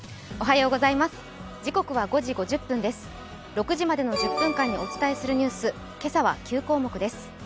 ６時までの１０分間にお伝えするニュース、今朝は９項目です。